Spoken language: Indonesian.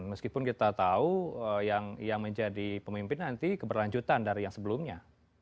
meskipun kita tahu yang menjadi pemimpin nanti keberlanjutan dari yang sebelumnya